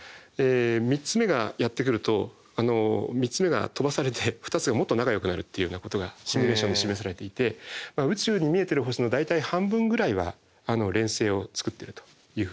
３つ目がやって来ると３つ目が飛ばされて２つがもっと仲よくなるっていうようなことがシミュレーションで示されていて宇宙に見えてる星の大体半分ぐらいは連星をつくってるというふうに。